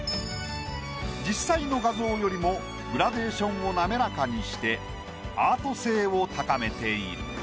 実際の画像よりもグラデーションを滑らかにしてアート性を高めている。